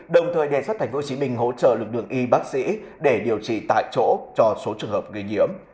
đồng thời đề xuất thành phố hồ chí minh hỗ trợ lực lượng y bác sĩ để điều trị tại chỗ cho số trường hợp gây nhiễm